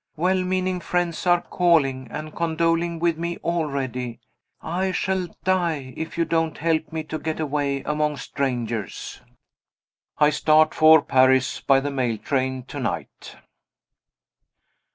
"Well meaning friends are calling and condoling with me already. I shall die, if you don't help me to get away among strangers!" I start for Paris by the mail train, to night.